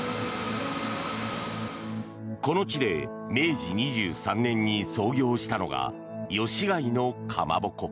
この地で明治２３年に創業したのが吉開のかまぼこ。